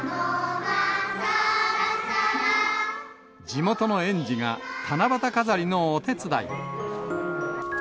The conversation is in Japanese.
地元の園児が、七夕飾りのお手伝い。